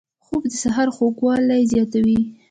خوب د سحر خوږوالی زیاتوي